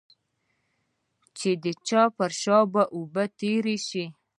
د چا پر شا به اوبه تېرې شي.